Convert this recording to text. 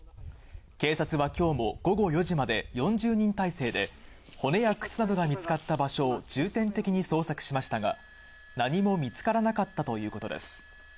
警察はきょうも午後４時まで４０人態勢で、骨や靴などが見つかった場所を重点的に捜索しましたが、何も見つからなかったということです。